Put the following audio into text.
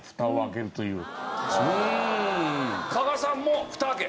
加賀さんも蓋あけ？